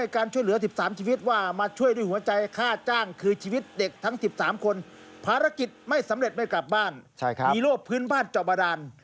ข้าจ้างคือชีวิตเด็กทั้ง๑๓คนภารกิจไม่สำเร็จไม่กลับบ้านมีโลกพื้นบ้านเจาะบรรดาล